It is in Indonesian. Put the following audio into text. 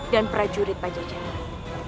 dan prajurit pajajaran